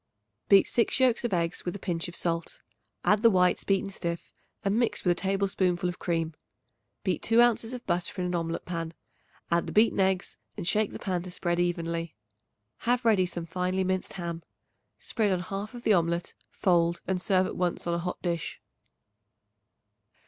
Beat 6 yolks of eggs with a pinch of salt; add the whites beaten stiff and mix with a tablespoonful of cream. Beat 2 ounces of butter in an omelet pan; add the beaten eggs and shake the pan to spread evenly. Have ready some finely minced ham. Spread on half of the omelet, fold and serve at once on a hot dish.